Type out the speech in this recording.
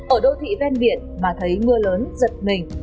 ở đô thị ven biển mà thấy mưa lớn giật mình